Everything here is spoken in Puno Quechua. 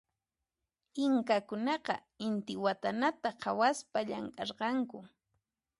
Inkakunaqa intiwatanata khawaspa llamk'arqanku.